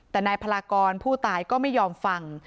แต่นายพลากรผู้ตายก็ไม่ยอมฟัง